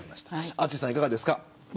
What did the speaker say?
淳さんはいかがですか。